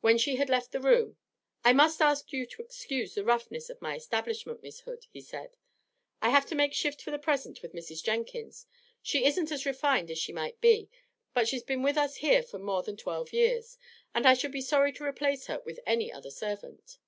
When she had left the room 'I must ask you to excuse the roughness of my establishment, Miss Hood,' he said. 'I have to make shift for the resent with Mrs. Jenkins. She isn't as refined as she might e, but she's been with us here for more than twelve years, and I should be sorry to replace her with any other servant.'